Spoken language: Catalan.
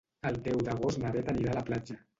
El deu d'agost na Bet anirà a la platja.